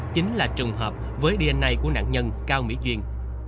chính là trùng hợp với dna của nạn nhân cao mỹ duyên